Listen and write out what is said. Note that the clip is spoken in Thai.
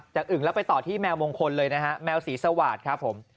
อึ่งแล้วไปต่อที่แมวมงคลเลยนะฮะแมวสีสวาสครับผม